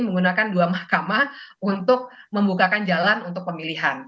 menggunakan dua mahkamah untuk membukakan jalan untuk pemilihan